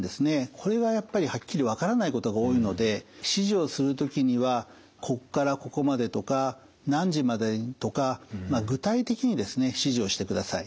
これはやっぱりはっきり分からないことが多いので指示をする時にはこっからここまでとか何時までとか具体的にですね指示をしてください。